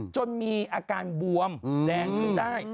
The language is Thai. จนมีอาการบวมแดงขึ้นได้